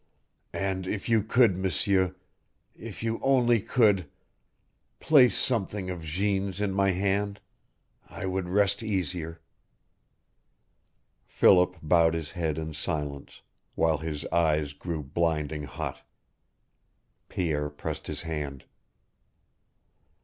And if you could, M'sieur if you only could place something of Jeanne's in my hand I would rest easier." Philip bowed his head in silence, while his eyes grew blinding hot. Pierre pressed his hand.